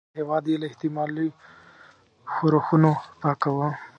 یو خو دا چې هېواد یې له احتمالي ښورښونو پاکاوه.